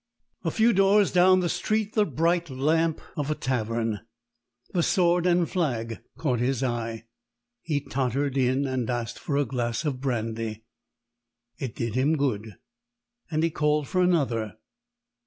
A few doors down the street the bright lamp of a tavern the Sword and Flag caught his eye. He tottered in and asked for a glass of brandy. It did him good, and he called for another.